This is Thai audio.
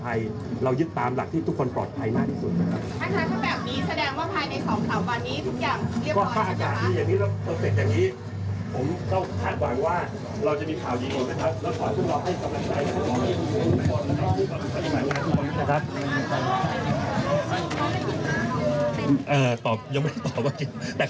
แล้วเรื่องจากน้องที่สุขภาพที่แข็งแรงก่อนหรือน้องที่สุขภาพ